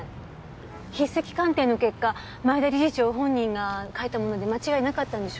筆跡鑑定の結果前田理事長本人が書いたもので間違いなかったんでしょ？